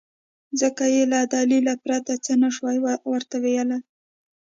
ځکه يې له دليله پرته څه نه شوای ورته ويلی.